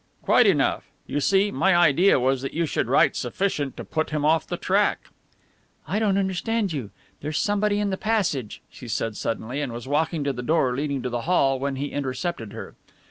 "Quite enough. You see, my idea was that you should write sufficient to put him off the track." "I don't understand you there's somebody in the passage," she said suddenly, and was walking to the door leading to the hall when he intercepted her.